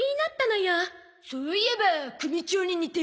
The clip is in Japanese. そういえば組長に似てる。